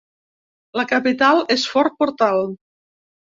La capital és Fort Portal.